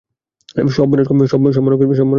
সব মানুষকে বলা উচিত বিষয়টা!